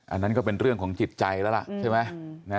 อันนั้นก็เป็นเรื่องของจิตใจแล้วล่ะใช่ไหม